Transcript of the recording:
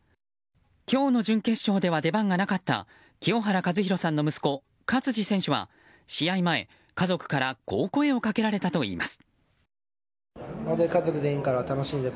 今日の準決勝では出番がなかった清原和博さんの息子・勝児選手は試合前、家族からこう声をかけられたといいます。